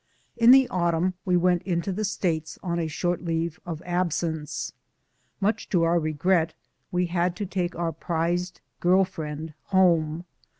In the autumn we went into the States on a short leave of absence. Much to our re gret we had to take our prized girl friend home.